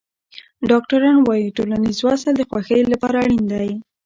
ډاکټران وايي ټولنیز وصل د خوښۍ لپاره اړین دی.